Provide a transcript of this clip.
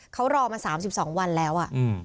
เขารอมา๓๒วันแล้ว